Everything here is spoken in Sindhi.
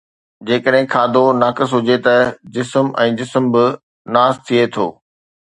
جيڪڏهن کاڌو ناقص هجي ته جسم ۽ جسم به ناس ٿئي ٿو